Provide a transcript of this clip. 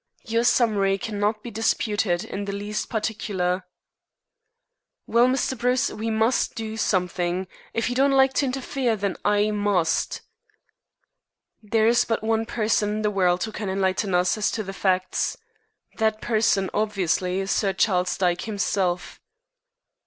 "Your summary cannot be disputed in the least particular." "Well, Mr. Bruce, we must do something. If you don't like to interfere, then I must." "There is but one person in the world who can enlighten us as to the facts. That person obviously is Sir Charles Dyke himself."